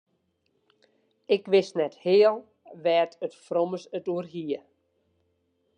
Ik wist net heal wêr't it frommes it oer hie.